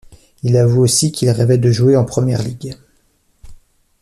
Il avoue aussi qu'il rêvait de jouer en Premier League.